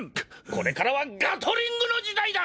これからはガトリングの時代だ！